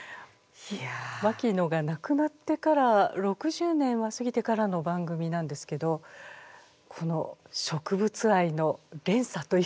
牧野が亡くなってから６０年は過ぎてからの番組なんですけどこの植物愛の連鎖というんでしょうか。